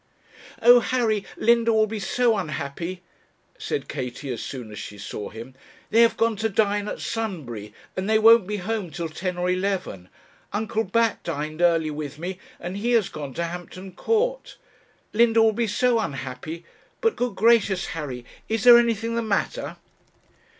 'Oh, Harry, Linda will be so unhappy,' said Katie as soon as she saw him. 'They have gone to dine at Sunbury, and they won't be home till ten or eleven. Uncle Bat dined early with me, and he has gone to Hampton Court. Linda will be so unhappy. But, good gracious, Harry, is there anything the matter?'